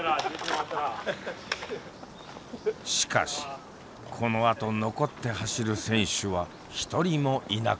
しかしこのあと残って走る選手は一人もいなかった。